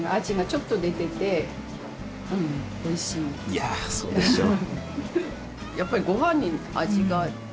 いやそうでしょう。